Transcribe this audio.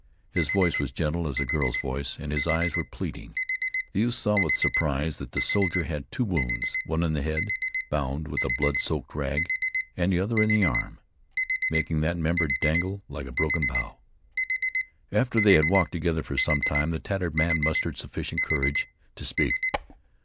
His voice was gentle as a girl's voice and his eyes were pleading. The youth saw with surprise that the soldier had two wounds, one in the head, bound with a blood soaked rag, and the other in the arm, making that member dangle like a broken bough. After they had walked together for some time the tattered man mustered sufficient courage to speak.